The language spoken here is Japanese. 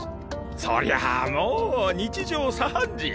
そりゃもう日常茶飯事。